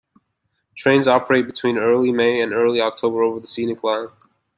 Trains operate between early May and early October over the scenic line.